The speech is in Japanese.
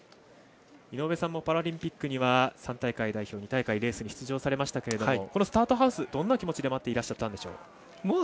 井上さんもパラリンピックは３大会連続出場されましたがこのスタートハウスどんな気持ちで待っていらっしゃったんでしょう。